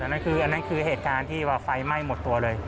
นั่นคืออันนั้นคือเหตุการณ์ที่ว่าไฟไหม้หมดตัวเลย